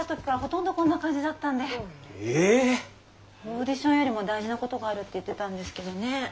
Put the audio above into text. オーディションよりも大事なことがあるって言ってたんですけどね。